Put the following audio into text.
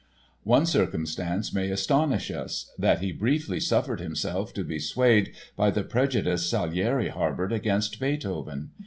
One circumstance may astonish us—that he briefly suffered himself to be swayed by the prejudice Salieri harbored against Beethoven.